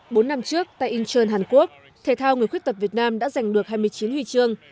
bốn năm trước tại incheon hàn quốc thể thao người khuyết tật việt nam đã giành được hai mươi chín huy chương